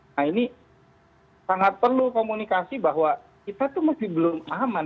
nah ini sangat perlu komunikasi bahwa kita tuh masih belum aman